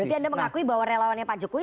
berarti anda mengakui bahwa relawannya pak jokowi